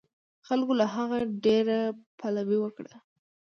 خلکو له هغه څخه ډېره پلوي وکړه.